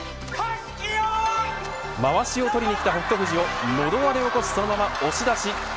まわしを取りにきた北勝富士をのど輪で起こしそのまま押し出し。